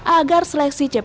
agar seleksi cpns